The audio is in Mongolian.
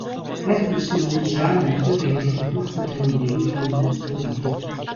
Ханиад хүндэрсэн үед яаран антибиотик хэрэглэх нь хүүхдийн тань эрүүл мэндэд сөрөг нөлөөтэй.